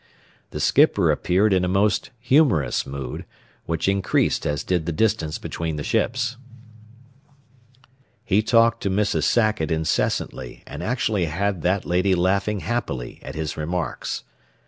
The skipper appeared in a most humorous mood, which increased as did the distance between the ships. He talked to Mrs. Sackett incessantly and actually had that lady laughing happily at his remarks.